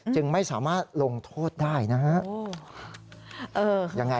จึงไม่สามารถลงโทษได้นะฮะ